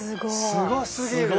すごすぎる。